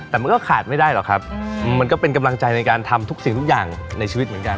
แต่มันก็ขาดไม่ได้หรอกครับมันก็เป็นกำลังใจในการทำทุกสิ่งทุกอย่างในชีวิตเหมือนกัน